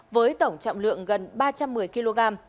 với tổng trọng lượng gần ba trăm một mươi kg